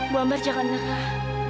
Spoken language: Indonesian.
bu ambar jangan ngerah